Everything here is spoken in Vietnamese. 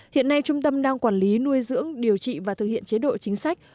hiện nay trung tâm đang quản lý nuôi dưỡng điều trị và thực hiện chế độ chính sách